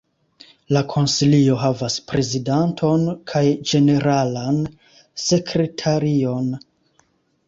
La Konsilio havas prezidanton kaj ĝeneralan sekretarion.